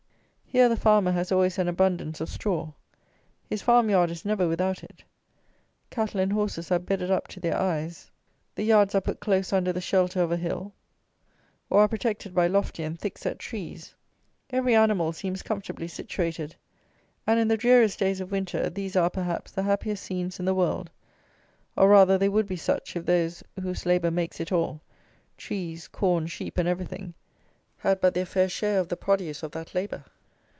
Here the farmer has always an abundance of straw. His farm yard is never without it. Cattle and horses are bedded up to their eyes. The yards are put close under the shelter of a hill, or are protected by lofty and thick set trees. Every animal seems comfortably situated; and, in the dreariest days of winter, these are, perhaps, the happiest scenes in the world; or, rather, they would be such, if those, whose labour makes it all, trees, corn, sheep and everything, had but their fair share of the produce of that labour.